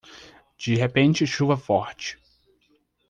De repente chuva forte